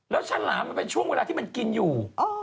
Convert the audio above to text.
แล้วชาหลามไปช่วงเวลาที่มันกินอยู่